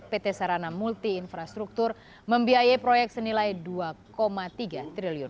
pt sarana multi infrastruktur membiayai proyek senilai dua tiga triliun